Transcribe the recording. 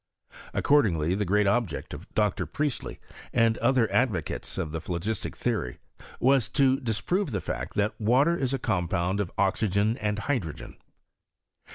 Accordingly, the great object of Dr. Priestley, and other advocates of the phlogistic theory, was to dis prove the fact that water is a compound of oxygea and hydrogen.